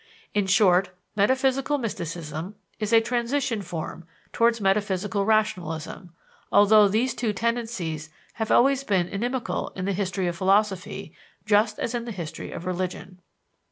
In short, metaphysical mysticism is a transition form towards metaphysical rationalism, although these two tendencies have always been inimical in the history of philosophy, just as in the history of religion.